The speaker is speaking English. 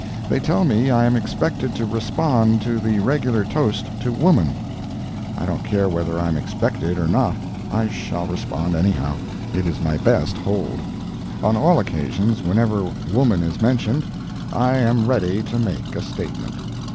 They tell me I am expected to respond to the regular toast to Woman. I don't care whether I am expected or not—I shall respond anyhow. It is my best hold. On all occasions, whenever woman is mentioned, I am ready to make a statement.